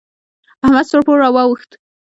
احمد سوړ پوړ را واوښت.